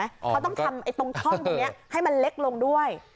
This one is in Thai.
เขาต้องก็ทำตรงท่องมันให้เล็กลงด้วย